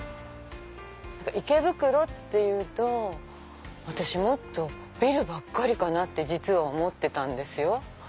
池袋っていうと私もっとビルばっかりかなって実は思ってたんですよ。